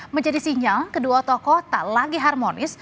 menjadi sinyal kedua tokoh tak lagi harmonis